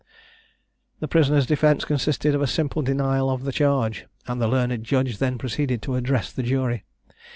The prisoner's defence consisted of a simple denial of the charge, and the learned judge then proceeded to address the jury.